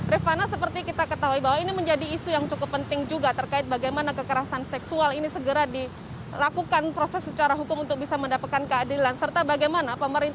rifana seperti kita ketahui bahwa ini menjadi tuntutan utama dari korban